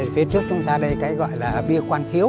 phía trước chúng ta đây cái gọi là bia quan thiếu